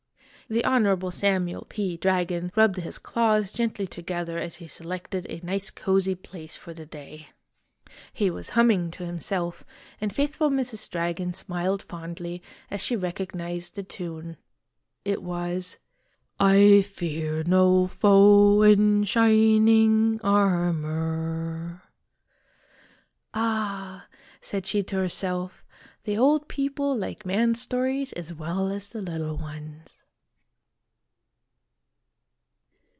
The Honorable Samuel P. Dragon rubbed his claws gently to gether as he selected a nice cozy place for the day. He was hum ; THERE WAS NO DOUBT OF THE RESULT. 3 IMAGINOTIONS ming to himself, and faithful Mrs. Dragon smiled fondly as she recognized the tune. It was : O " I fear no foe in shining armor !" "Ah!" said she to herself, "the old people like man stories as well as the little ones